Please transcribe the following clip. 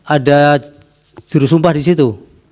ada jurusumpah di situ